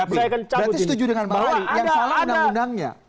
berarti setuju dengan pak fadin yang salah undang undangnya